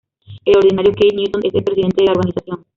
El ordinario Keith Newton, es el presidente de la organización.